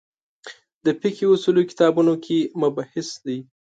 د فقهې اصولو کتابونو کې مبحث دی.